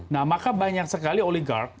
nah maka banyak sekali oligark